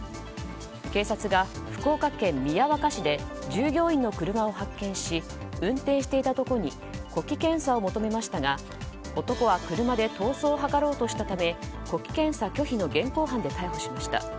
警察が福岡県宮若市で従業員の車を発見し運転していた男に呼気検査を求めましたが男は車で逃走を図ろうとしたため呼気検査拒否の現行犯で逮捕しました。